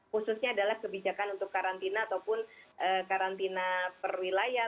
khususnya adalah kebijakan untuk karantina ataupun karantina per wilayah